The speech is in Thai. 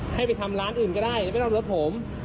ให้ไปทำร้านอื่นก็ได้ยังก็ระเอารถผม